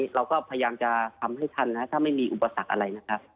เราก็พยายามจะทำให้ทันนะถ้าไม่มีอุปสรรคอะไรนะครับ